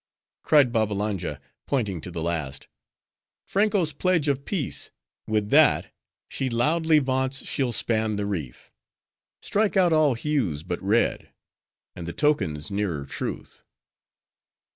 Cried Babbalanja, pointing to the last, "Franko's pledge of peace! with that, she loudly vaunts she'll span the reef!—Strike out all hues but red,—and the token's nearer truth."